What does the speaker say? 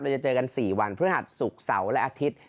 เจอกัน๔วันพฤหัสศุกร์เสาร์และอาทิตย์